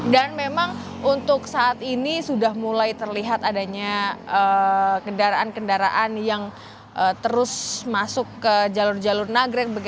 memang untuk saat ini sudah mulai terlihat adanya kendaraan kendaraan yang terus masuk ke jalur jalur nagrek